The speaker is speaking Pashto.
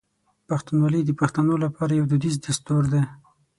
پښتونولي د پښتنو لپاره یو دودیز دستور دی.